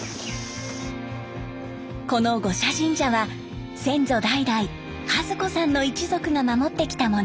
この五社神社は先祖代々和子さんの一族が守ってきたもの。